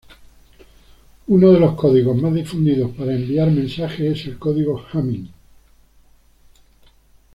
Uno de los códigos más difundidos para enviar mensajes es el código Hamming.